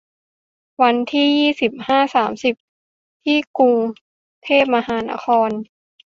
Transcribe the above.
วันที่ ยี่สิบห้า สามสิบ ที่กรุงเทพมหานคร